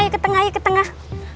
ayo ke tengah ayo ke tengah